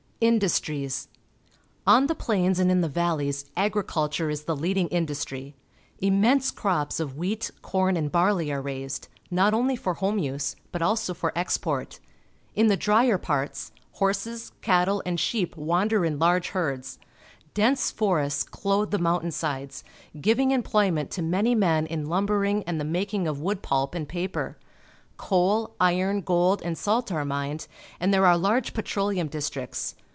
Industries. — On the plains and in the valleys agriculture is the leading industry. Immense crops of wheat, corn, and barley are raised, not only for home use but also for export. In the drier parts, horses, cattle, and sheep wander in large herds. Dense forests clothe the mountain sides, giving employ ment to many men in lumbering and the making of wood pulp and paper. Coal, iron, gold, and salt are mined, and there are large petroleum districts.